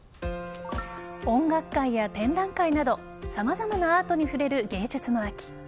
音楽会や展覧会など様々なアートに触れる芸術の秋。